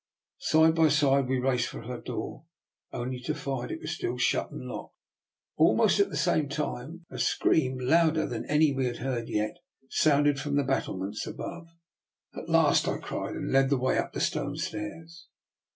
Side by side we raced for her door, only to find it was still shut and locked. Almost at the same instant a scream, louder than any we had yet heard, sounded from the battlements above. 304 DR. NIKOLA'S EXPERIMENT. " At last," I cried, and led the way up the stone stairs.